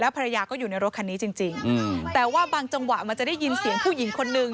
ภรรยาก็อยู่ในรถคันนี้จริงจริงแต่ว่าบางจังหวะมันจะได้ยินเสียงผู้หญิงคนนึง